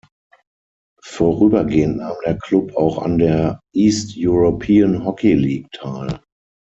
Vorübergehend nahm der Klub auch an der East European Hockey League teil.